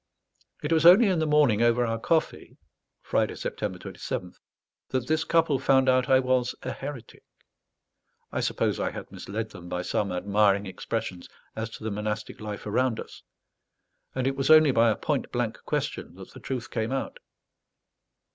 It was only in the morning, over our coffee (Friday, September 27th), that this couple found out I was a heretic. I suppose I had misled them by some admiring expressions as to the monastic life around us; and it was only by a point blank question that the truth came out.